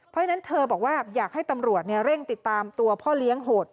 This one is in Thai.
เพราะฉะนั้นเธอบอกว่าอยากให้ตำรวจเร่งติดตามตัวพ่อเลี้ยงโหด